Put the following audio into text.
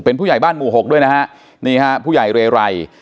เป็นผู้ใหญ่บ้านหมู่หกด้วยนะฮะนี่ฮะผู้ใหญ่เรไร